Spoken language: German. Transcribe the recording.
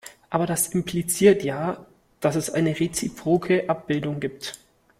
Aber das impliziert ja, dass es eine reziproke Abbildung gibt.